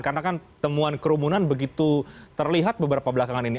karena kan temuan kerumunan begitu terlihat beberapa belakangan ini